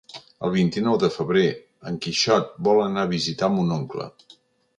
El vint-i-nou de febrer en Quixot vol anar a visitar mon oncle.